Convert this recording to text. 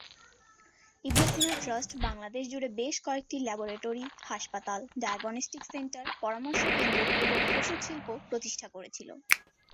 ইবনে Sina trust Bangladesh জুড়ে বেশ কয়েকটি ল্যাবরেটরি, হাসপাতাল, ডায়াগনস্টিক সেন্টার, পরামর্শ কেন্দ্র এবং ওষুধ শিল্প প্রতিষ্ঠা করেছিল।